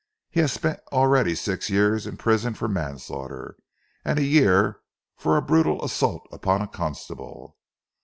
He has spent already six years in prison for manslaughter, and a year for a brutal assault upon a constable.